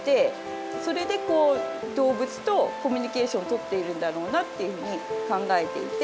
それで動物とコミュニケーションとっているんだろうなっていうふうに考えていて。